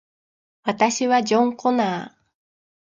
私はジョン・コナー